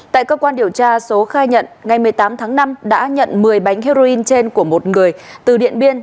tại cơ quan điều tra số khai nhận ngày một mươi tám tháng năm đã nhận một mươi bánh heroin trên của một người từ điện biên